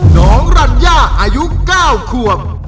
น้องรัญญาอายุ๙ขวบ